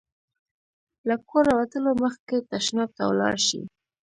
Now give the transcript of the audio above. له کوره وتلو مخکې تشناب ته ولاړ شئ.